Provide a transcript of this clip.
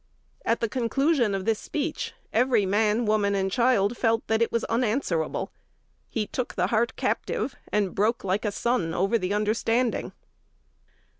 At the conclusion of this speech, every man, woman, and child felt that it was unanswerable.... He took the heart captive, and broke like a sun over the understanding."